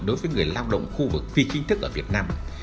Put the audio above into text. đối với người lao động khu vực phi kinh tức ở việt nam